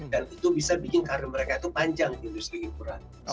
dan itu bisa bikin karir mereka itu panjang di industri lingkungan